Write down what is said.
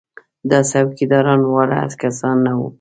دا څوکیداران واړه کسان نه وو.